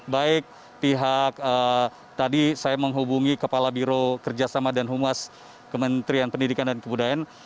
baik pihak tadi saya menghubungi kepala biro kerjasama dan humas kementerian pendidikan dan kebudayaan